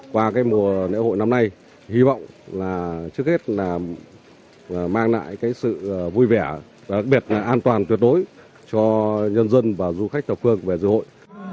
qua mùa lễ hội năm nay hy vọng là trước hết là mang lại cái sự vui vẻ và đặc biệt là an toàn tuyệt đối cho nhân dân và du khách thập phương về dự hội